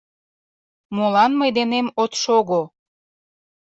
Молан мый денем от шого?